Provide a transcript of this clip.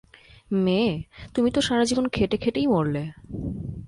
মেয়ে, তুমি তো সারাজীবন খেটে খেটেই মরলে।